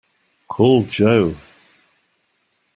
Call Joe.